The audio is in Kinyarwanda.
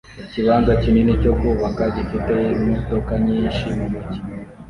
Ikibanza kinini cyo kubaka gifite imodoka nyinshi mumujyi